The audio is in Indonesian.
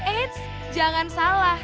eits jangan salah